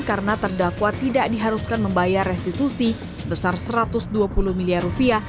karena terdakwa tidak diharuskan membayar restitusi sebesar satu ratus dua puluh miliar rupiah